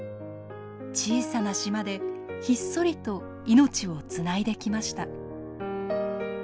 小さな島でひっそりと命をつないできました。